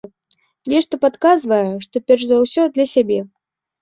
Нешта падказвае, што перш за ўсё для сябе.